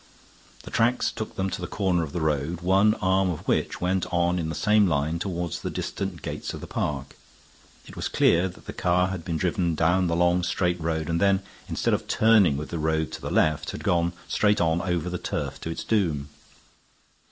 The tracks took them to the corner of the road, one arm of which went on in the same line toward the distant gates of the park. It was clear that the car had been driven down the long straight road, and then, instead of turning with the road to the left, had gone straight on over the turf to its doom.